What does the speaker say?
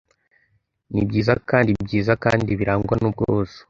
nibyiza kandi byiza kandi birangwa n'ubwuzu